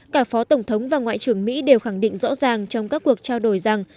cả phó tổng thống và ngoại trưởng mỹ đều khẳng định rõ ràng trong các cuộc trao đổi rằng